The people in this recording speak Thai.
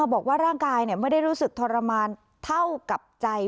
บอกว่าร่างกายไม่ได้รู้สึกทรมานเท่ากับใจ